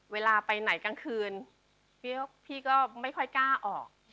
เวลาไปไหนกลางคืนพี่ก็ไม่ค่อยกล้าออก